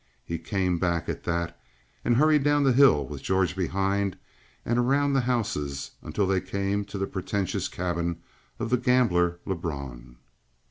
He came back at that and hurried down the hill with George behind and around the houses until they came to the pretentious cabin of the gambler, Lebrun.